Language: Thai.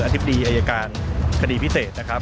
ธิบดีอายการคดีพิเศษนะครับ